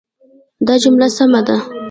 دا جمله سمه ده.